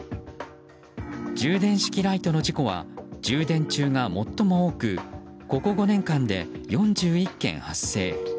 充電式ライトの事故は充電中が最も多くここ５年間で４１件発生。